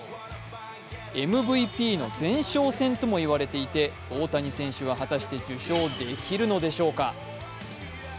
ＭＶＰの前哨戦とも言われていて大谷選手は果たして受賞できるのでしょうか？